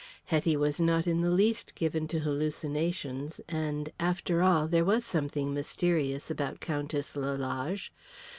Hetty was not in the least given to hallucinations, and, after all, there was something mysterious about Countess Lalage.